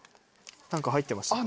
何か入ってましたか？